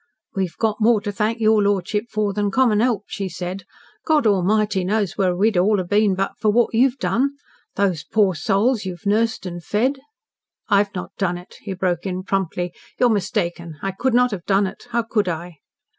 "We've got more to thank your lordship for than common help," she said. "God Almighty knows where we'd all ha' been but for what you've done. Those poor souls you've nursed and fed " "I've not done it," he broke in promptly. "You're mistaken; I could not have done it. How could I?"